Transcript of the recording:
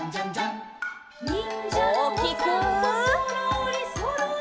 「そろーりそろり」